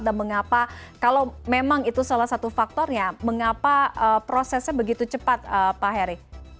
dan mengapa kalau memang itu salah satu faktornya mengapa prosesnya begitu cepat pak harry